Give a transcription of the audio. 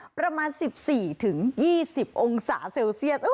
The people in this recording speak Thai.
ประมาณ๑๔๒๐องศาเซลเซียส